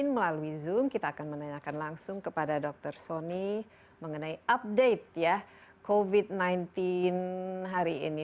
melalui zoom kita akan menanyakan langsung kepada dr sony mengenai update covid sembilan belas hari ini